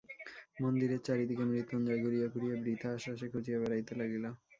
মন্দিরের চারি দিকে মৃত্যুঞ্জয় ঘুরিয়া ঘুরিয়া বৃথা আশ্বাসে খুঁজিয়া বেড়াইতে লাগিল।